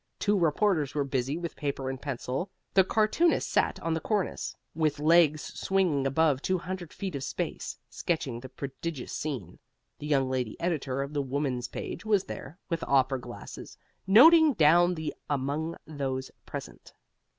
Two reporters were busy with paper and pencil; the cartoonist sat on the cornice, with legs swinging above two hundred feet of space, sketching the prodigious scene. The young lady editor of the Woman's Page was there, with opera glasses, noting down the "among those present."